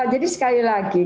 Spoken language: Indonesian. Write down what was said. jadi sekali lagi